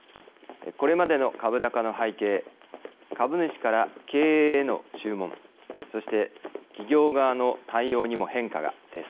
これまでの株高の背景株主から経営への注文そして企業側の対応にも変化がです。